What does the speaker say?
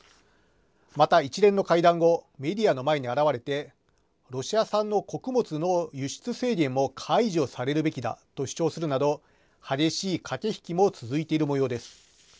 また、一連の会談後メディアの前に現れてロシア産の穀物の輸出制限も解除されるべきだと主張するなど激しい駆け引きも続いているもようです。